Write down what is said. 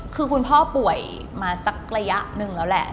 คือคุณพ่อป่วยมาสักระยะหนึ่งแล้วแหละ